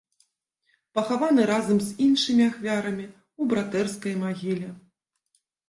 Пахаваны разам з іншымі ахвярамі ў братэрскай магіле.